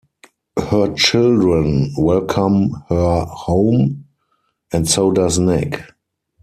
Her children welcome her home, and so does Nick.